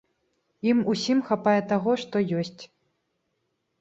Ім ўсім хапае таго, што ёсць.